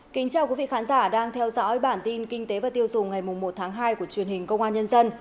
kính chào quý vị khán giả đang theo dõi bản tin kinh tế và tiêu dùng ngày một tháng hai của truyền hình công an nhân dân